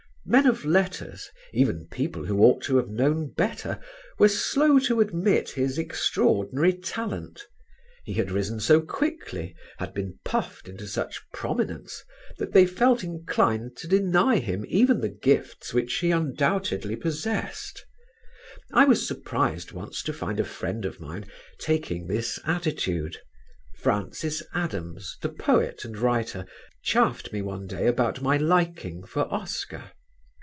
Men of letters, even people who ought to have known better, were slow to admit his extraordinary talent; he had risen so quickly, had been puffed into such prominence that they felt inclined to deny him even the gifts which he undoubtedly possessed. I was surprised once to find a friend of mine taking this attitude: Francis Adams, the poet and writer, chaffed me one day about my liking for Oscar.